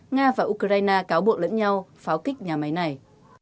nga và ukraine cáo buộc lẫn nhau pháo kích nhà máy này